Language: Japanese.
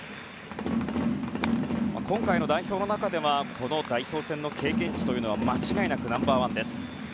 今回の代表の中では代表戦の経験値というのは間違いなくナンバー１です。